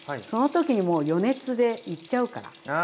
その時にもう余熱でいっちゃうから。